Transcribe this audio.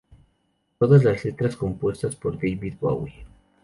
Todas las letras compuestas por David Bowie.